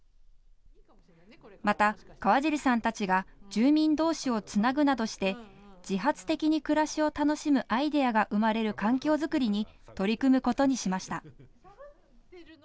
また、河尻さんたちが住民同士をつなぐなどして自発的に暮らしを楽しむアイデアが生まれる環境作りに取り組むことにしました。